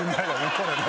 これね。